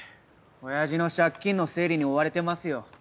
親父の借金の整理に追われてますよ。